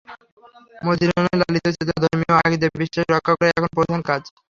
মদীনা নয়, লালিত চেতনা ও ধর্মীয় আকীদা-বিশ্বাস রক্ষা করাই এখন প্রধান কাজ।